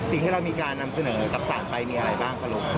สิ่งที่เรามีการนำเสนอกับศาลไปมีอะไรบ้างคะลุง